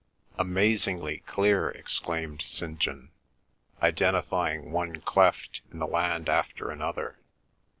"Amazingly clear," exclaimed St. John, identifying one cleft in the land after another.